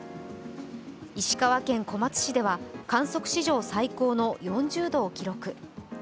石川県小松市では観測史上最高の４０度を記録。